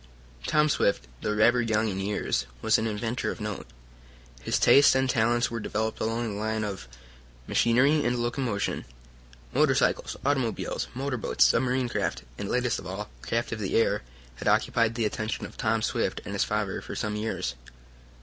Tom Swift, though rather young in years, was an inventor of note. His tastes and talents were developed along the line of machinery and locomotion. Motorcycles, automobiles, motorboats, submarine craft, and, latest of all, craft of the air, had occupied the attention of Tom Swift and his father for some years.